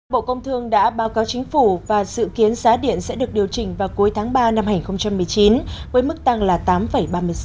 bộ công thương đã báo cáo chính phủ và dự kiến giá điện sẽ được điều chỉnh vào cuối tháng ba năm hai nghìn một mươi chín với mức tăng là tám ba mươi sáu